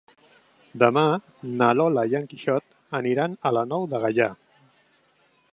Demà na Lola i en Quixot aniran a la Nou de Gaià.